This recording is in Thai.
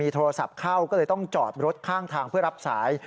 ต้องจอดรถข้างทางเพื่อรับสาย